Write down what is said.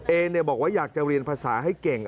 บอกว่าอยากจะเรียนภาษาให้เก่ง